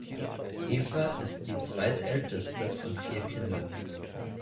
Eva ist die zweitälteste von vier Kindern.